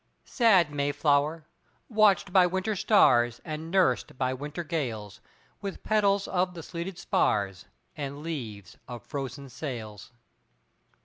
Sad Mayflower! watched by winter stars And nursed by winter gales, With petals of the sleeted spars And leaves of frozen sails!